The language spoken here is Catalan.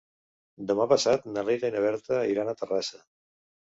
Demà passat na Rita i na Berta iran a Terrassa.